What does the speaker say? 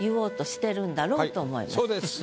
そうです。